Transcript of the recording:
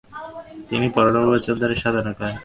তিনি পনেরো বছর ধরে সাধনা করেন।